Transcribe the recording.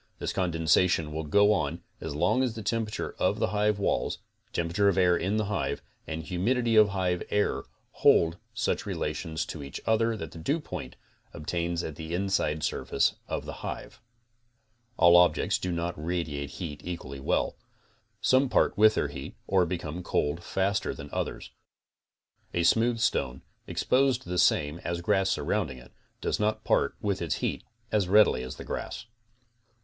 This condensation will go 28 CONSTRUCTIVE BEEKEEPING on as long as temperature of the hive walls, temperature of air in the hive, and humidity of hive air, hold such relations to each other that the dewpoint obtains at the inside surface of the hive. All objects do not radiate heat equally well. Some part with their heat or become cold faster than others. A smooth 'stone, exposed the same as grass surrounding it, does not part with its heat as readily as the grass.